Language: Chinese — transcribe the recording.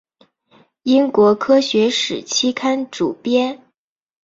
英国科学史期刊主编。